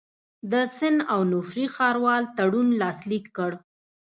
د سن اونوفري ښاروال تړون لاسلیک کړ.